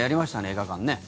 映画館ね。